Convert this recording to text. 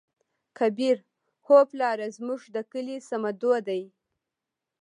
کبير : هو پلاره زموږ د کلي صمدو دى.